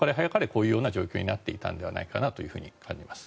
こういう状況になっていたのではないかなと感じます。